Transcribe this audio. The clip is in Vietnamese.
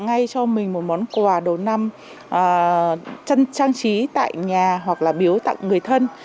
ngay cho mình một món quà đầu năm chăn trí tại nhà hoặc là biếu tặng người thân